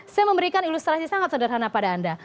saya memberikan ilustrasi sangat sederhana pada anda